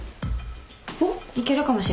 いけるかもしれない。